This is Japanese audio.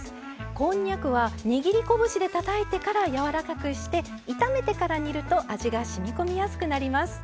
こんにゃくは握り拳でたたいてから柔らかくして炒めてから煮ると味がしみ込みやすくなります。